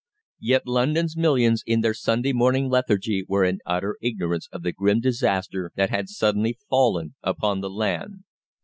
Yet London's millions in their Sunday morning lethargy were in utter ignorance of the grim disaster that had suddenly fallen upon the land.